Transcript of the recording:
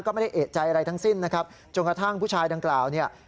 ก็ไม่ได้เอกใจอะไรทั้งสิ้นนะครับจนกระทั่งผู้ชายดังกล่าวเนี่ย